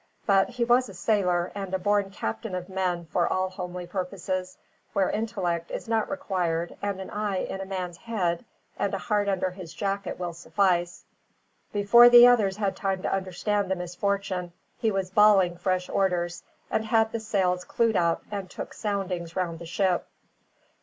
But he was a sailor and a born captain of men for all homely purposes, where intellect is not required and an eye in a man's head and a heart under his jacket will suffice. Before the others had time to understand the misfortune, he was bawling fresh orders, and had the sails clewed up, and took soundings round the ship.